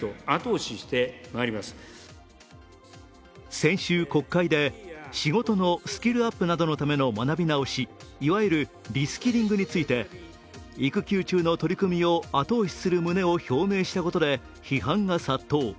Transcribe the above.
先週、国会で仕事のスキルアップなどのための学び直し、いわゆるリスキリングについて育休中の取り組みを後押しする旨を表明したことで批判が殺到。